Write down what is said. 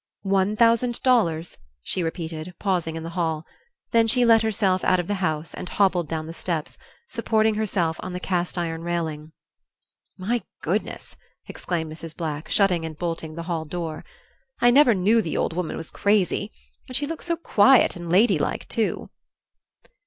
"One thousand dollars," she repeated, pausing in the hall; then she let herself out of the house and hobbled down the steps, supporting herself on the cast iron railing. "My goodness," exclaimed Mrs. Black, shutting and bolting the hall door, "I never knew the old woman was crazy! And she looks so quiet and ladylike, too."